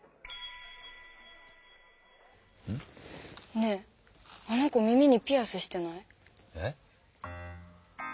ねえあの子耳にピアスしてない？え？